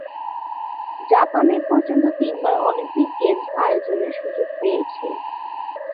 Japan এ পর্যন্ত তিনবার অলিম্পিক গেমস আয়োজনে সুযোগ পেয়েছে।